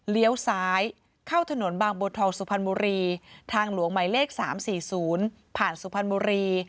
เลี้ยวซ้ายเข้าถนนบางบัวทองสุพรรณบุรีทางหลวงหมายเลข๓๔๐ผ่านสุพรรณบุรี